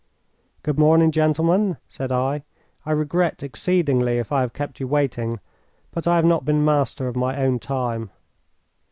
"Good morning, gentlemen," said I. "I regret exceedingly if I have kept you waiting, but I have not been master of my own time."